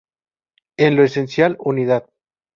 En lo esencial, unidad.